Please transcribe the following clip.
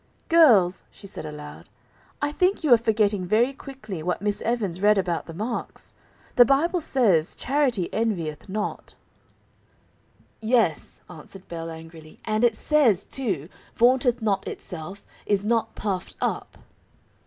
Girls," she said aloud, "I think you are forgetting very quickly what Miss Evans read about the marks. The Bible says, 'Charity envieth not.'" "Yes," answered Belle angrily, "and it says, too, 'Vaunteth not itself, is not puffed up.'"